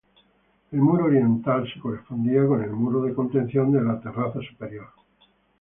El muro oriental se correspondía con el muro de contención de la terraza superior.